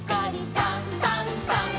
「さんさんさん」